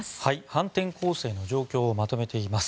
反転攻勢の状況をまとめています。